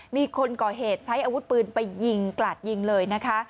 มีคนก่อเหตุใช้อาวุธปืนไปยิงกราดยิงเลยนะคะ